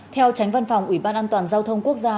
theo tránh văn phòng ủy ban an toàn giao thông quốc gia